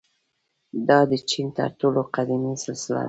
• دا د چین تر ټولو قدیمي سلسله ده.